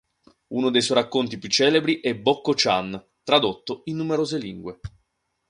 Uno dei suoi racconti più celebri è "Bokko-chan", tradotto in numerose lingue.